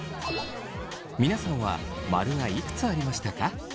皆さんはマルがいくつありましたか？